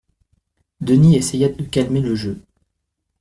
Denis essaya de calmer le jeu.